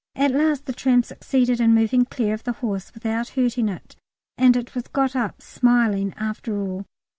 At last the tram succeeded in moving clear of the horse without hurting it, and it was got up smiling after all.